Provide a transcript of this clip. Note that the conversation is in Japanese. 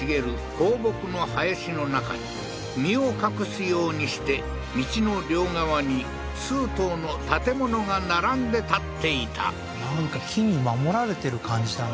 高木の林の中に身を隠すようにして道の両側に数棟の建物が並んで建っていたなんか木に守られてる感じだな